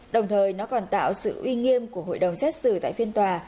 đồng thời nó còn tạo sự uy nghiêm của hội đồng xét xử tại phiên tòa